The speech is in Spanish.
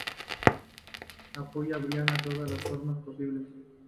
Apoya Brian de todas las formas posibles.